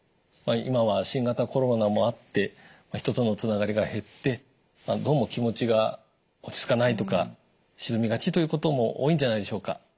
今は新型コロナもあって人とのつながりが減ってどうも気持ちが落ち着かないとか沈みがちということも多いんじゃないでしょうか。